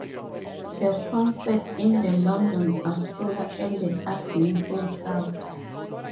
The concert in the London Astoria ended up being sold out.